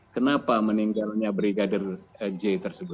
kenapa meninggalnya brigadir j tersebut